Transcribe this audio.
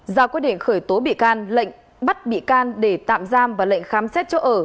ra các quy định khởi tố bị can áp dụng lệnh bắt bị can để tạm giam và lệnh khám xét chỗ ở